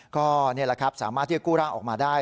ก็นี่แหละครับสามารถที่จะกู้ร่างออกมาได้